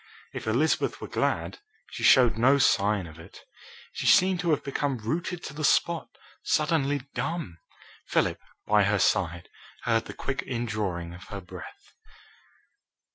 If Elizabeth were glad, she showed no sign of it. She seemed to have become rooted to the spot, suddenly dumb. Philip, by her side, heard the quick indrawing of her breath.